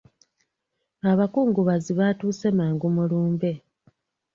Abakungubazi baatuuse mangu mu lumbe.